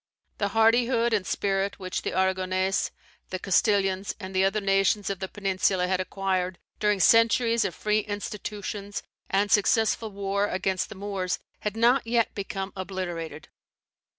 The hardihood and spirit which the Arragonese, the Castilians, and the other nations of the peninsula had acquired during centuries of free institutions and successful war against the Moors, had not yet become obliterated.